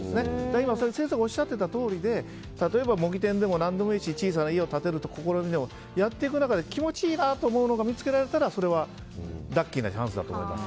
今、先生おっしゃっていたとおりで模擬店でも何でもいいし小さな意を立てるという試みでもやっていく中で気持ちいいなと思うものが見つけられたらラッキーだと思います。